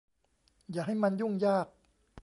อย่าให้มันยุ่งยาก